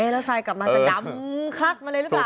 แล้วไฟกลับมาจะดำคลักมาเลยหรือเปล่า